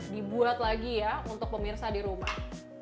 dibuat lagi ya untuk pemirsa di rumah